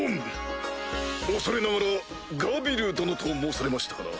恐れながらガビル殿と申されましたかな？